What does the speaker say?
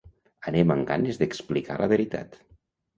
Anem amb ganes d’explicar la veritat.